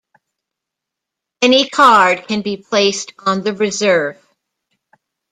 Any card can be placed on the reserve.